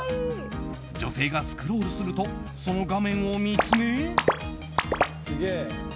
女性がスクロールするとその画面を見つめ。